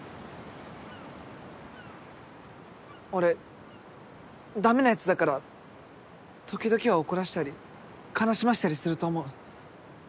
俺ダメなヤツだから時々は怒らせたり悲しませたりすると思う。